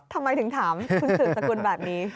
ทำไมถึงถามคุณสืบสกุลแบบนี้